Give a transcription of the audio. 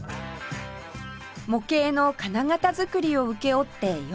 模型の金型作りを請け負って４５年